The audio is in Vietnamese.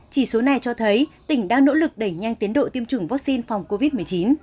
chỉ số này cho thấy tỉnh đang nỗ lực đẩy nhanh tiến độ tiêm chủng vaccine phòng covid một mươi chín